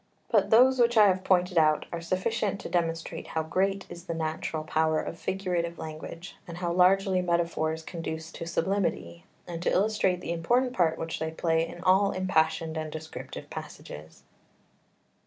But those which I have pointed out are sufficient to demonstrate how great is the natural power of figurative language, and how largely metaphors conduce to sublimity, and to illustrate the important part which they play in all impassioned and descriptive passages.